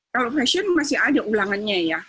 kalau fashion masih ada ulangannya ya